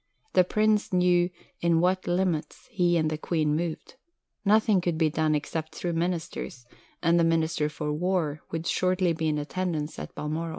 The Prince knew "in what limits" he and the Queen moved. Nothing could be done except through Ministers, and the Minister for War would shortly be in attendance at Balmoral.